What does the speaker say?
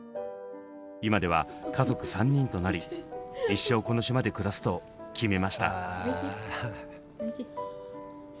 今では家族３人となり一生この島で暮らすと決めました。